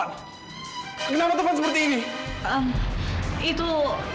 bukannya kita studying some students